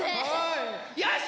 よし！